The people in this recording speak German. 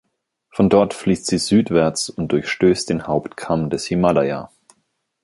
Von dort fließt sie südwärts und durchstößt den Hauptkamm des Himalaya.